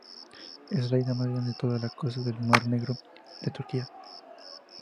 Es la isla más grande en la costa del Mar Negro de Turquía.